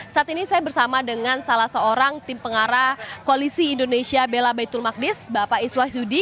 saat ini saya bersama dengan salah seorang tim pengarah koalisi indonesia bela baitul magdis bapak iswah yudi